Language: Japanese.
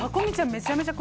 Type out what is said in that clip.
めちゃめちゃ